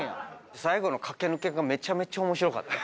最後の駆け抜けがめちゃめちゃ面白かった。